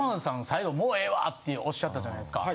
最後「もうええわ！」っておっしゃったじゃないですか。